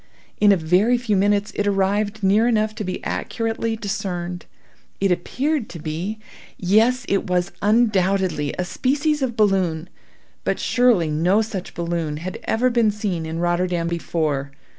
In a very few minutes it arrived near enough to be accurately discerned. It appeared to be—yes! it was undoubtedly a species of balloon; but surely no such balloon had ever been seen in Rotterdam before.